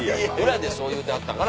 裏でそう言うてはったから。